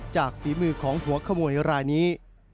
จากธีมือของหัวขมวยรายนี้